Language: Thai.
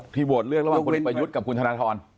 โหวตเลือกระหว่างคนเอกประยุทธ์กับคุณธนทร